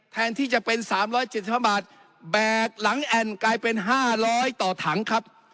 แทนที่จะเป็นสามร้อยเจ็ดสิบห้ามันแบกหลังแอ่นกลายเป็นห้าร้อยต่อถังครับ